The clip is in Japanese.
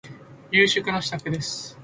夕食の支度です。